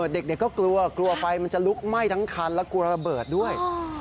เด็กก็กลัวกลัวไฟมันจะลุกไหม้ทั้งคันและกลัวระเบิดด้วย